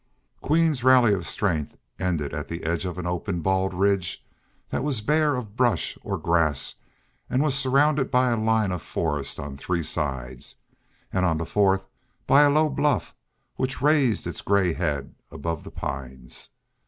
Queen's rally of strength ended at the edge of an open, bald ridge that was bare of brush or grass and was surrounded by a line of forest on three sides, and on the fourth by a low bluff which raised its gray head above the pines.